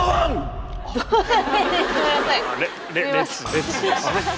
烈ですね。